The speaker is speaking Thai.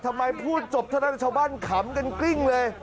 พูดจบเท่านั้นชาวบ้านขำกันกลิ้งเลย